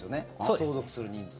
相続する人数。